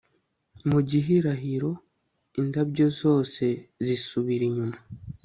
mu gihirahiro indabyo zose zisubira inyuma